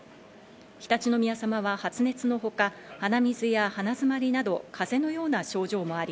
常陸宮さまは発熱のほか、鼻水や鼻づまりなど風邪のような症状もあり、